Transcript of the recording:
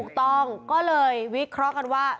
ถูกต้องก็เลยวิเคราะห์กันว่า